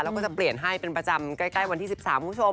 แล้วก็จะเปลี่ยนให้เป็นประจำใกล้วันที่๑๓คุณผู้ชม